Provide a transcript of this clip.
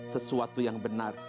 sesuatu yang benar